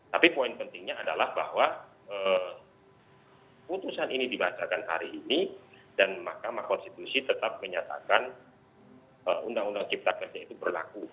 tapi poin pentingnya adalah bahwa putusan ini dibacakan hari ini dan mahkamah konstitusi tetap menyatakan undang undang cipta kerja itu berlaku